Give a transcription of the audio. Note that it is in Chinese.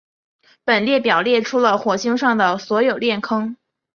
本列表列出了火星上的所有链坑。